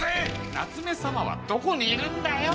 夏目さまはどこにいるんだよ！